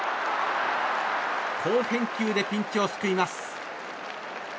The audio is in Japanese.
好返球でピンチを救います。